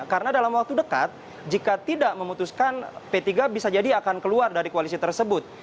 karena dalam waktu dekat jika tidak memutuskan p tiga bisa jadi akan keluar dari koalisi tersebut